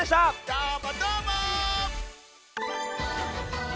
どーもどーも！